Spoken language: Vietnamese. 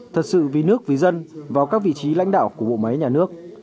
thật sự vì nước vì dân vào các vị trí lãnh đạo của bộ máy nhà nước